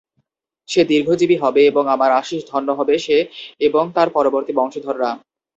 সে দীর্ঘজীবী হবে এবং আমার আশিস ধন্য হবে সে এবং তার পরবর্তী বংশধররা।